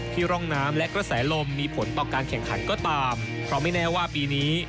ร่องน้ำและกระแสลมมีผลต่อการแข่งขันก็ตามเพราะไม่แน่ว่าปีนี้